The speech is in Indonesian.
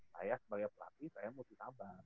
saya sebagai pelatih saya mesti sabar